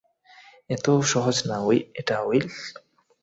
এতে সহজ না এটা, উইল।